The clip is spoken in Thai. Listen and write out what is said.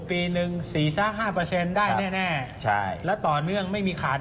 ปีหนึ่งสี่สามห้าเปอร์เซ็นต์ได้แน่ใช่แล้วต่อเนื่องไม่มีขาด